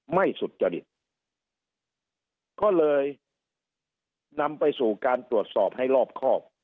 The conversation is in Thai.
สุจริตก็เลยนำไปสู่การตรวจสอบให้รอบครอบ